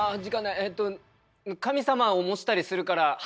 えっと神様を模したりするから柱。